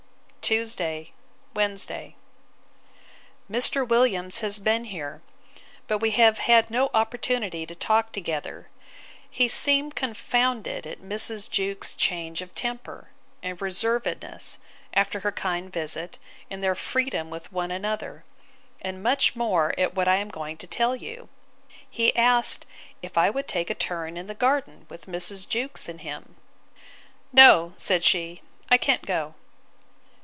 Tuesday, Wednesday. Mr. Williams has been here; but we have had no opportunity to talk together: He seemed confounded at Mrs. Jewkes's change of temper, and reservedness, after her kind visit, and their freedom with one another, and much more at what I am going to tell you. He asked, If I would take a turn in the garden with Mrs. Jewkes and him. No, said she, I can't go.